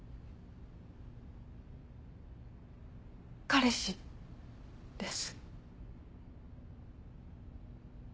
彼氏です。